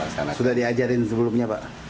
sudah diajarin sebelumnya pak